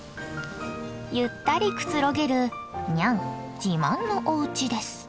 ゆったりくつろげるニャン自慢のおうちです。